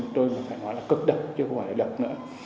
tôi phải nói là cực độc chứ không phải là độc nữa